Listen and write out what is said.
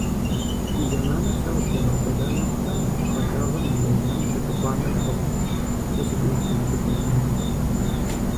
Фи зэманыр сэ къыстевгъэкӏуэда нэхърэ, щӏэпхъэджагъэр зылэжьам фылъыхъуамэ нэхъыфӏт. Сэ си деж зыри щывгъуэтынукъым.